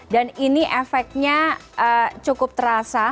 dan ini efeknya cukup terasa